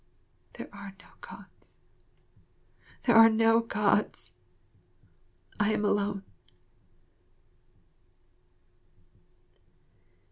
There are no Gods. There are no Gods. I am alone.